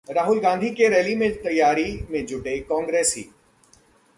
राहुल गांधी के रैली की तैयारी में जुटे कांग्रेसी